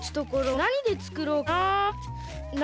なにでつくろうかな？